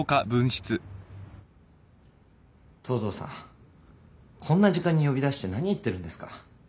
東堂さんこんな時間に呼び出して何言ってるんですか？